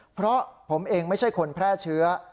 เพราะผมเองไม่ใช่คนแพร่เชื้อ